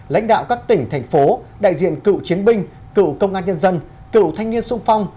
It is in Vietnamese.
lãnh đạo các tỉnh thành phố đại diện cựu chiến binh cựu công an nhân dân cựu thanh niên sung phong